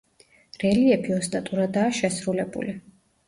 რელიეფი ოსტატურადაა შესრულებული.